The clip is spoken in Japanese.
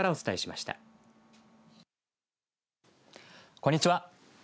こんにちは。